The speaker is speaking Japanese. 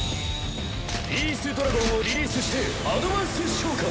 ピース・ドラゴンをリリースしてアドバンス召喚！